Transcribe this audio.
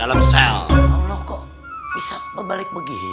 alhamdulillah kok bisa bebalik begini sih